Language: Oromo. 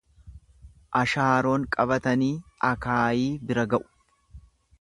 Ashaaroon qabatanii akaayii bira ga'u.